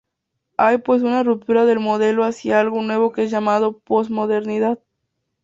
Hay pues una ruptura del modelo hacia algo nuevo que es llamado posmodernidad.